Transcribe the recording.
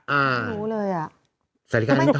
ไม่รู้เลย